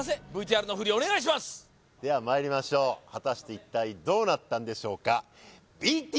じゃあもうではまいりましょう果たして一体どうなったんでしょうか？